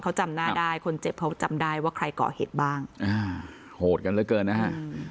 เขาจำหน้าได้คนเจ็บเขาจำได้ว่าใครก่อเหตุบ้างอ่าโหดกันเหลือเกินนะฮะ